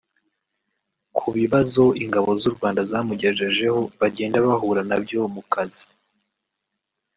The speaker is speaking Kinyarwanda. Ku bibazo Ingabo z’u Rwanda zamugejejeho bagenda bahura na byo mu kazi